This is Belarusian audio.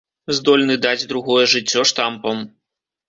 Здольны даць другое жыццё штампам.